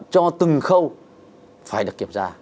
cho từng khâu phải được kiểm tra